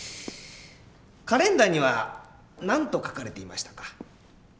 カレンダーには何と書かれていましたか？